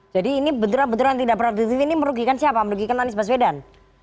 jadi ini benturan benturan yang tidak produktif ini merugikan siapa merugikan anies baswedan